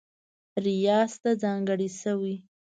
ریاض ته ځانګړې شوې